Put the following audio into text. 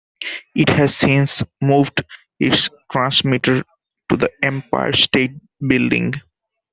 It has since moved its transmitter to the Empire State Building.